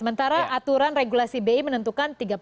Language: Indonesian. sementara aturan regulasi bi menentukan tiga juta